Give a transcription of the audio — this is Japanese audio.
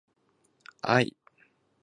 愛